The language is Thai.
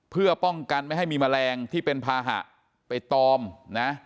เพื่อป้องกันไม่ให้มีแมลงที่เป็นภาหะไปตอมนะ